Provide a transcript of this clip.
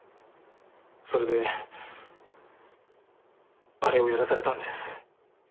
それであれをやらされたんです。